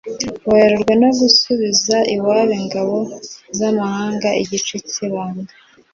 Werurwe no gusubiza iwabo ingabo z amahanga igice k ibanga